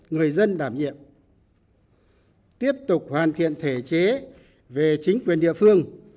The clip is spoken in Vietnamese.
người dân đảm nhiệm tiếp tục hoàn thiện thể chế về chính quyền địa phương